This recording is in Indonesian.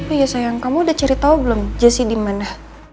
oh iya sayang kamu udah cari tau belum jessy dimana